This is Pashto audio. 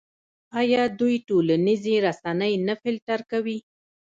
آیا دوی ټولنیزې رسنۍ نه فلټر کوي؟